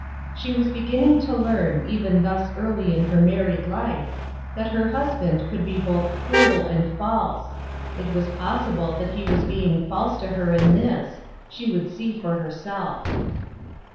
She was beginning to learn, even thus early in her married life, that her husband could be both cruel and false ; it was possible that he was being false to her in this ; she would see for herself.